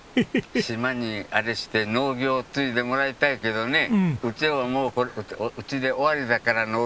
島にあれして農業継いでもらいたいけどねうちはもううちで終わりだから農業は。